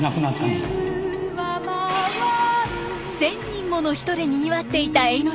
１，０００人もの人でにぎわっていた永ノ